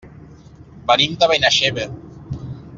Venim de Benaixeve.